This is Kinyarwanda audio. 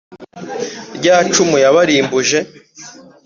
rya cumu yabarimbuje